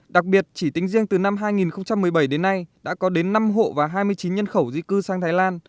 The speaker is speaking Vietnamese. đặc biệt chỉ tính riêng từ năm hai nghìn một mươi bảy đến nay đã có đến năm hộ và hai mươi chín nhân khẩu di cư sang thái lan